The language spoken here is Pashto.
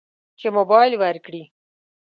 چې موبایل ورکړي.